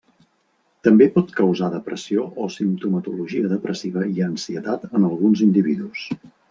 També pot causar depressió o simptomatologia depressiva i ansietat en alguns individus.